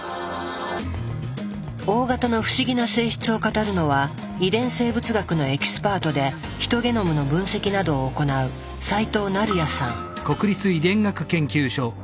Ｏ型の不思議な性質を語るのは遺伝生物学のエキスパートでヒトゲノムの分析などを行う斎藤成也さん。